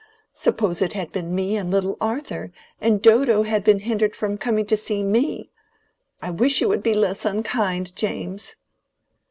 Suppose it had been me and little Arthur, and Dodo had been hindered from coming to see me! I wish you would be less unkind, James!"